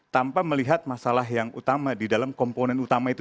tanpa melihat masalah yang utama di dalam komponen utama itu